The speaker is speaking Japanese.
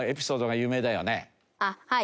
あっはい。